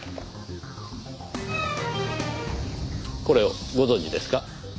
これをご存じですか？